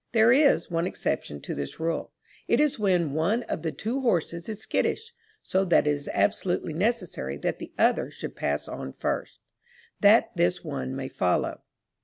There is one exception to this rule; it is when one of the two horses is skittish, so that it is absolutely necessary that the other should pass on first, that this one may follow.